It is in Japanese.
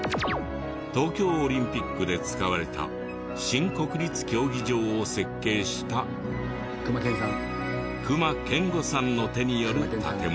東京オリンピックで使われた新国立競技場を設計した隈研吾さんの手による建物。